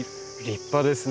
立派ですね。